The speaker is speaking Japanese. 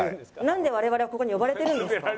なんで我々はここに呼ばれてるんですか？